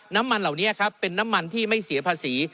น้ำมันเหล่านี้ครับเป็นน้ำมันที่ไม่เสียภาษี